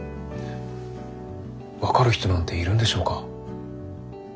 分かる人なんているんでしょうか？